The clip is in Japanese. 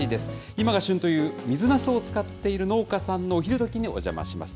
今が旬という、水ナスを作っている農家さんのお昼どきにお邪魔します。